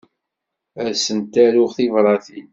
Ad sen-aruɣ tibratin.